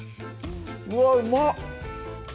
うわうまっ！